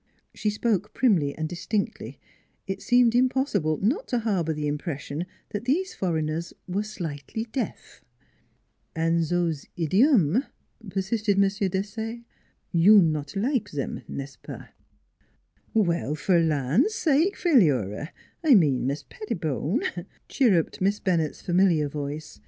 She spoke primly and distinctly. It seemed im possible not to harbor the impression that these foreigners were slightly deaf. NEIGHBORS 209 " An' zose idiome," persisted M. Desaye. "You not like zem n'est ce pasf " "Well, f'r th' land sake, Philura! I mean Mis' Pettibone," chirruped Miss Bennett's fa miliar voice.